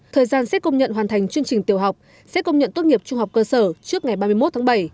thời gian xét công nhận hoàn thành chương trình tiểu học xét công nhận tốt nghiệp trung học cơ sở trước ngày ba mươi một tháng bảy